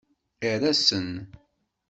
Err-asen.